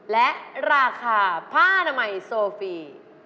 และราคาผ้านามัยโซฟี